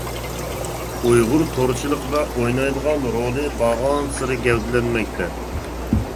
ئۇيغۇر تورچىلىقىدا ئوينايدىغان رولى بارغانسېرى گەۋدىلەنمەكتە.